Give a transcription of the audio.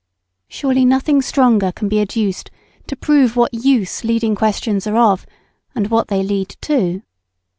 Surely nothing stronger can be adduced to prove what use leading questions are of, and what they lead to.